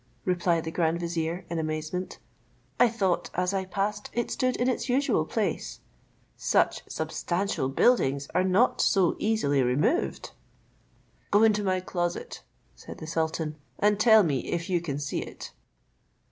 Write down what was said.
replied the grand vizier, in amazement, "I thought as I passed it stood in its usual place; such substantial buildings are not so easily removed." "Go into my closet," said the sultan, "and tell me if you can see it."